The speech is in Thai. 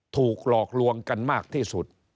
ถูกหลอกลวงกันมากที่สุด